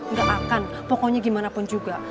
nggak akan pokoknya gimana pun juga